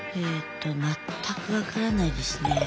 えっと全く分からないですね。